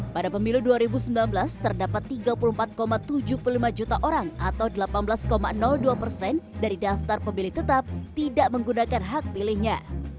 pada pemilu dua ribu sembilan belas terdapat tiga puluh empat tujuh puluh lima juta orang atau delapan belas dua persen dari daftar pemilih tetap tidak menggunakan hak pilihnya